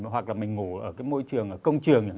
hoặc là mình ngủ ở cái môi trường ở công trường